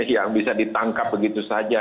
yang bisa ditangkap begitu saja